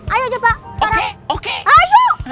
ayo aja pak sekarang